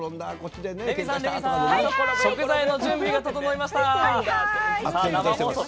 食材の準備が整いました。